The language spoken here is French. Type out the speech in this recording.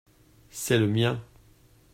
C’est le mien.